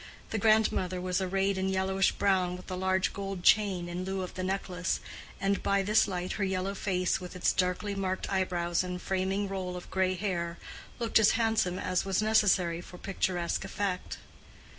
The grandmother was arrayed in yellowish brown with a large gold chain in lieu of the necklace, and by this light her yellow face with its darkly marked eyebrows and framing roll of gray hair looked as handsome as was necessary for picturesque effect.